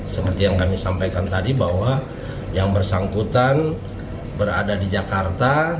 seperti yang kami sampaikan tadi bahwa yang bersangkutan berada di jakarta